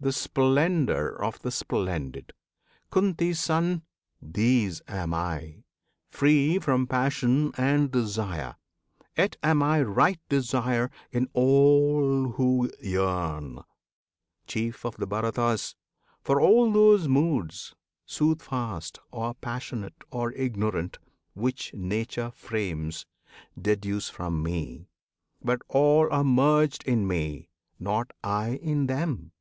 The splendour of the splendid. Kunti's Son! These am I, free from passion and desire; Yet am I right desire in all who yearn, Chief of the Bharatas! for all those moods, Soothfast, or passionate, or ignorant, Which Nature frames, deduce from me; but all Are merged in me not I in them!